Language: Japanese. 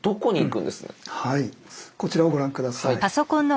こちらをご覧下さい。